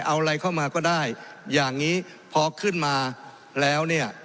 เอาอะไรเข้ามาก็ได้อย่างนี้พอขึ้นมาแล้วเนี่ย